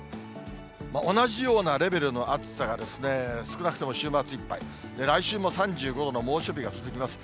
同じようなレベルの暑さが少なくとも週末いっぱい、来週も３５度の猛暑日が続きます。